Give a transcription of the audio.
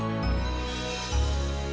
karena ada orang paling melodis